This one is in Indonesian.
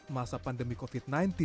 masa pandemi covid sembilan belas